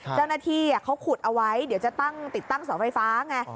เจ้าหน้าที่เขาขุดเอาไว้เดี๋ยวจะตั้งติดตั้งเสาไฟฟ้าไง